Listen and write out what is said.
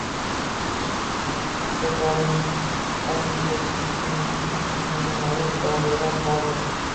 Bu kabi andishasizlikni kutmagan ayol dovdirab qoldi